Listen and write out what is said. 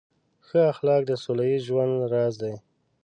ښه اخلاق د سوله ییز ژوند راز دی.